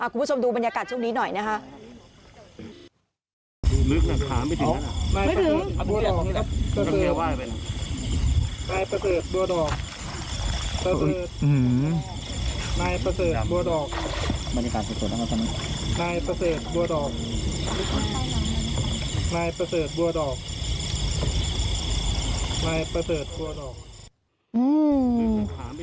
คุณผู้ชมดูบรรยากาศช่วงนี้หน่อยนะคะ